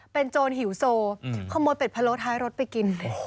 เป็นโจรหิวโซขโมยเป็ดพะโล้ท้ายรถไปกิน